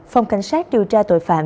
phòng cảnh sát điều tra tội phạm